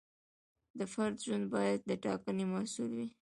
د فرد ژوند باید د ټاکنې محصول وي.